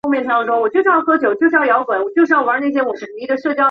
绿豆是代表芝麻绿豆的小事。